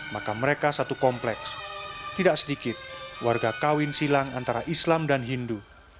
maka mereka satu kompleks tidak sedikit warga kawin silang antara islam dan hindu